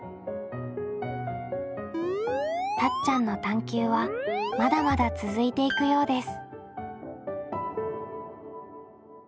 たっちゃんの探究はまだまだ続いていくようです。